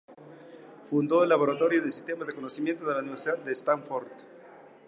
Fundó el Laboratorio de Sistemas de Conocimiento en la Universidad de Stanford.